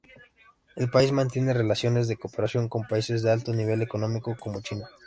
El país mantiene relaciones de cooperación con países de alto nivel económico como China.